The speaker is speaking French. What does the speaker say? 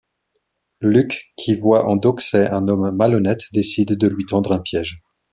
Luke, qui voit en Doxey un homme malhonnête décide de lui tendre un piège.